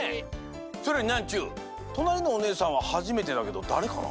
それよりニャンちゅうとなりのおねえさんははじめてだけどだれかな？